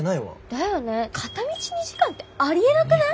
だよね片道２時間ってありえなくない？